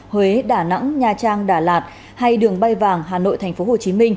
huế đà nẵng nha trang đà lạt hay đường bay vàng hà nội tp hcm